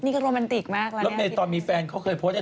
นี่ก็โรแมนติกมากแล้วนะพี่นะพี่